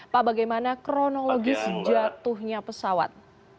pak bagaimana kronologis jatuhnya pesawat